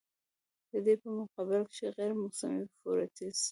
د دې پۀ مقابله کښې غېر موسمي فروټس